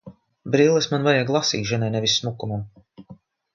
Brilles man vajag lasīšanai, nevis smukumam.